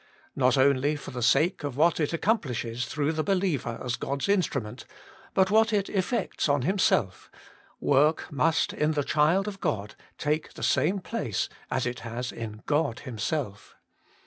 Not only for the sake of what it accomplishes through the believer as God's instrument, but what it effects on himself, work must in the child of God take the same place it has in God Himself.